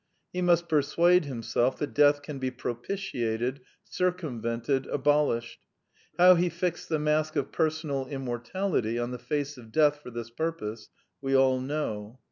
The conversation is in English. He must persuade himself that Death can be propitiated, circumvented, abolished. How he fixed the mask of personal inunortality on the face of Death for this purpose we all know.